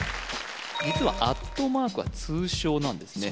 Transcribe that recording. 実はアットマークは通称なんですね